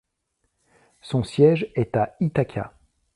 Son siège est à Ithaca.